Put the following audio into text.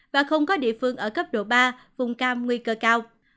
và không có địa phương ở cấp độ ba vùng cam nguy cơ cao